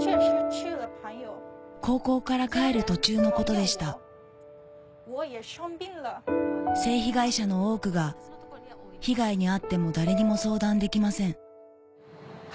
高校から帰る途中のことでした性被害者の多くが被害に遭っても誰にも相談できません